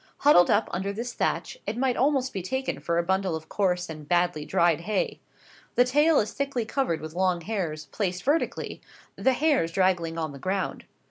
Huddled up under this thatch, it might almost be taken for a bundle of coarse and badly dried hay. The tail is thickly covered with long hairs, placed vertically, the hairs draggling on the ground.